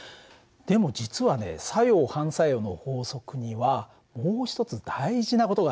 でも実はね作用・反作用の法則にはもう一つ大事な事があるんだ。